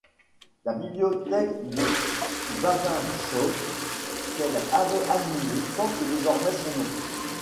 La Bibliothèque de Bavinchove qu'elle avait animée porte désormais son nom.